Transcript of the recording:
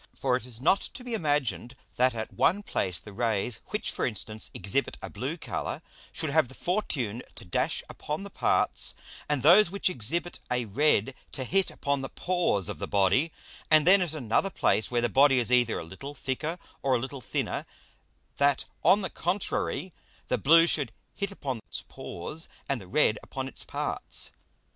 For it is not to be imagined that at one place the Rays which, for instance, exhibit a blue Colour, should have the fortune to dash upon the parts, and those which exhibit a red to hit upon the Pores of the Body; and then at another place, where the Body is either a little thicker or a little thinner, that on the contrary the blue should hit upon its pores, and the red upon its parts.